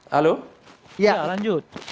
halo iya lanjut